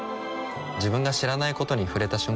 自分が知らないことに触れた瞬間